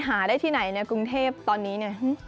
หาได้ที่ไหนในกรุงเทพตอนนี้เนี่ย